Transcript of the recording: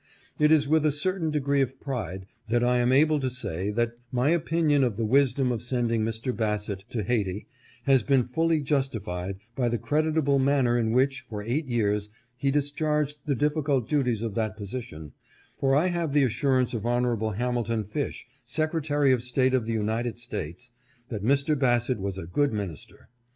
It is with a certain degree of pride that I am able to say that my opinion of the wisdom of sending Mr. Bassett to Hayti has been fully justified by the creditable manner in which, for eight years, he discharged the difficult duties of that position, for I have the assurance of Hon. Hamil ton Fish, Secretary of State of the United States, that Mr. Bassett was a good minister.